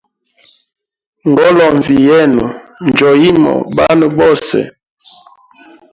Ngolonvi yenu njo yimo banwe bose.